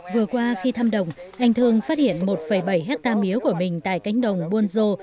vừa qua khi thăm đồng anh thương phát hiện một bảy hectare mía của mình tại cánh đồng buôn dô